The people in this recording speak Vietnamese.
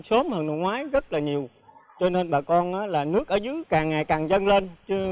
mưa nước lên chốt hơn hồi ngoái rất là nhiều cho nên bà con là nước ở dưới càng ngày càng dâng lên